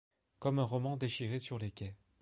Comme un roman déchiré sur les quais